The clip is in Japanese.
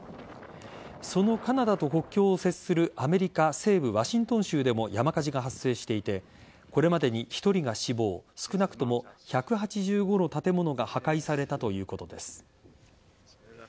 そのカナダと国境を接するアメリカ西部ワシントン州でも山火事が発生していてこれまでに１人が死亡少なくとも１８５の建物が破壊されたということです。